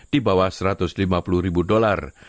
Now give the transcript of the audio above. di bawah satu ratus lima puluh ribu dolar